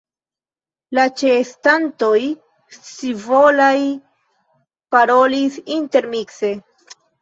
La ĉeestantoj scivolaj parolis intermikse: